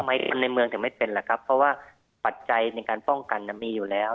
ในเมืองจะไม่เป็นแหละครับเพราะว่าปัจจัยในการป้องกันมีอยู่แล้ว